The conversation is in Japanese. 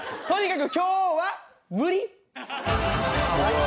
とにかく今日は無理！